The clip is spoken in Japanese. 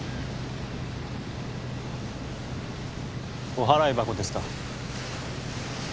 お払い箱ですか？